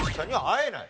会えない。